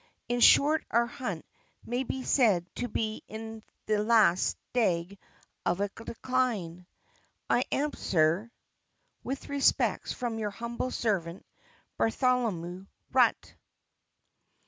In short our Hunt may be said to be in the last Stag of a decline." "I am, Sir," "With respects from your humble Servant," "BARTHOLOMEW RUTT."